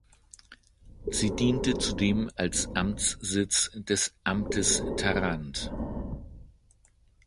Sie diente zudem als Amtssitz des "Amtes Tharandt".